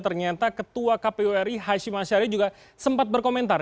ternyata ketua kpwri hashim asyari juga sempat berkomentar